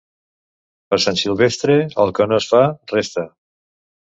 Per Sant Silvestre, el que no es fa, resta.